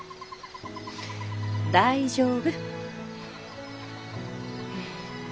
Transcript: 大丈夫。